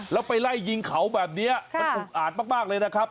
แล้วไปไล่ยิงเขาแบบนี้มันอุกอาจมากเลยนะครับ